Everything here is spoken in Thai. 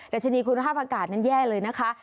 ชนีคุณภาพอากาศนั้นแย่เลยนะคะ